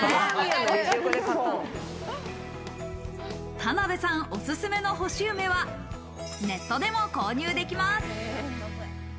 田辺さんおすすめの干し梅はネットでも購入できます。